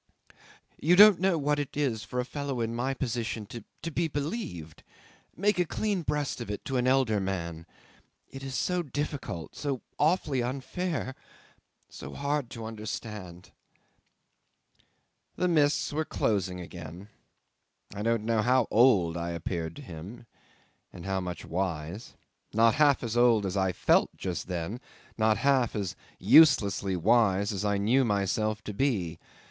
... "You don't know what it is for a fellow in my position to be believed make a clean breast of it to an elder man. It is so difficult so awfully unfair so hard to understand." 'The mists were closing again. I don't know how old I appeared to him and how much wise. Not half as old as I felt just then; not half as uselessly wise as I knew myself to be.